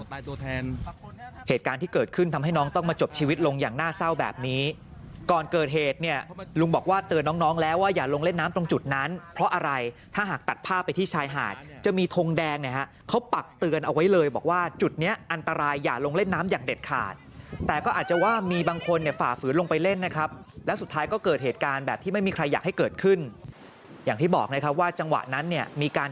ตัวแทนเหตุการณ์ที่เกิดขึ้นทำให้น้องต้องมาจบชีวิตลงอย่างน่าเศร้าแบบนี้ก่อนเกิดเหตุเนี่ยลุงบอกว่าเตือนน้องแล้วว่าอย่าลงเล่นน้ำตรงจุดนั้นเพราะอะไรถ้าหากตัดภาพไปที่ชายหาดจะมีทงแดงนะครับเขาปักเตือนเอาไว้เลยบอกว่าจุดนี้อันตรายอย่าลงเล่นน้ำอย่างเด็ดขาดแต่ก็อาจจะว่ามีบางคนเนี่ยฝ่า